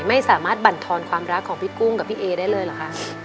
ไม่สามารถบรรทอนความรักของพี่กุ้งกับพี่เอได้เลยเหรอคะ